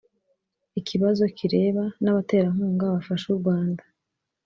ikibazo kireba n'abaterankunga bafasha u rwanda.